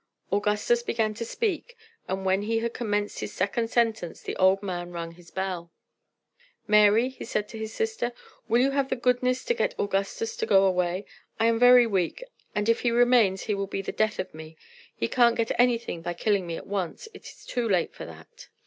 Augustus began to speak, but when he had commenced his second sentence the old man rung his bell. "Mary," said he to his sister, "will you have the goodness to get Augustus to go away? I am very weak, and if he remains he will be the death of me. He can't get anything by killing me at once; it is too late for that."